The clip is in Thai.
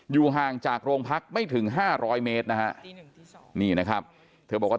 อยู่ห่างจากโรงพักไม่ถึง๕๐๐เมตรนะฮะนี่นะครับเธอบอกว่า